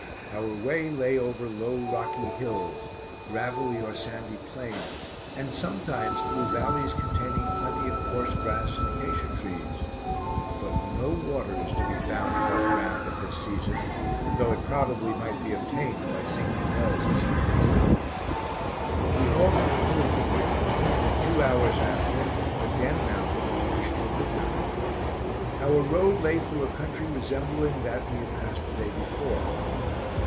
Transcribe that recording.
Our way lay over low rocky hills, gravelly or sandy plains, and sometimes through valleys containing plenty of coarse grass and acacia trees; but no water is to be found above ground at this season, though it probably might be obtained by sinking wells in some of these valleys. We halted at noon, and in two hours after again mounted, and marched till midnight. Our road lay through a country resembling that we had passed the day before.